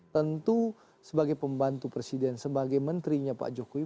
tentu sebagai pembantu presiden sebagai menterinya pak jokowi